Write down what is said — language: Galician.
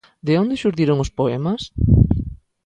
De onde xurdiron os poemas?